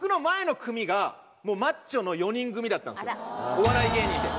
お笑い芸人で。